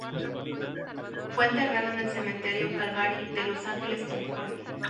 Fue enterrado en el Cementerio Calvary de Los Ángeles, California.